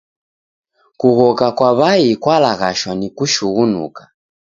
Kughoka kwa w'ai kwalaghashwa ni kushughunuka.